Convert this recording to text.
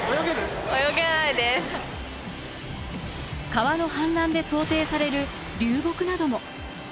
川の氾濫で想定される流木なども。